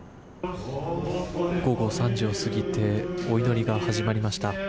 午後３時を過ぎてお祈りが始まりました。